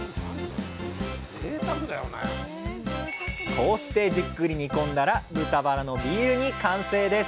こうしてじっくり煮込んだら「豚バラのビール煮」完成です。